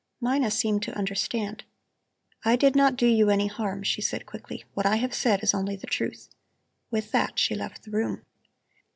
Mina seemed to understand: "I did not do you any harm," she said quickly; "what I have said is only the truth." With that she left the room.